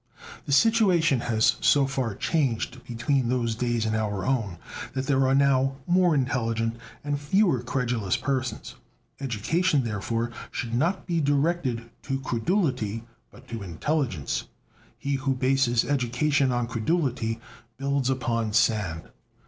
The situation has so far changed between those days and our own that there are now more intelligent and fewer credulous persons. Education, therefore, should not be directed to credulity but to intelligence. He who bases education on credulity builds upon sand.